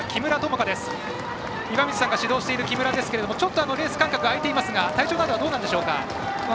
岩水さんが指導している木村友香、大会間隔が空いていますが体調などはどうなんでしょうか。